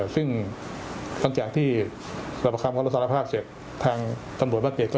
ซึ่งตั้งจากที่รับประคำเขารับสารภาคเสียบทางทำรวจภักดิ์เจ็ด